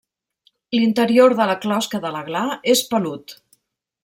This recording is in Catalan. L'interior de la closca de la gla és pelut.